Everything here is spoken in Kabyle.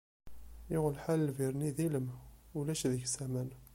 Yuɣ lḥal lbir-nni d ilem, ulac deg-s aman.